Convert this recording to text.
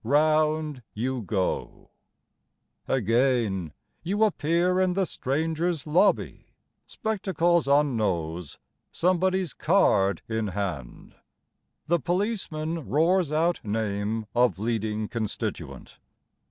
Round you go. Again: you appear in the Strangers' Lobby, Spectacles on nose, somebody's card in hand. The policeman roars out name of leading constituent.